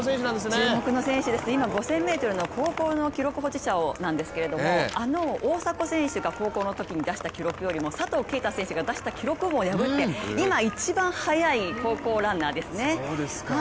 注目の選手です、今５０００ｍの高校の記録保持者なんですけれどもあの大迫選手が高校のときに出した記録よりも佐藤圭汰選手が出した記録も破って今一番速い高校ランナーですね。